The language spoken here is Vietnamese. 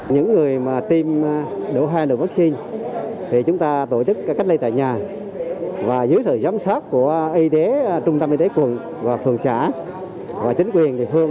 những người mà tiêm đủ hai lượng vaccine thì chúng ta tổ chức cách lây tại nhà và dưới sự giám sát của trung tâm y tế quận và phường xã và chính quyền địa phương